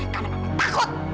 karena papa takut